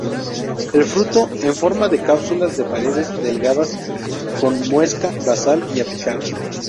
El fruto en forma de cápsulas de paredes delgadas, con muesca basal y apical.